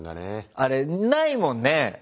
あれないもんね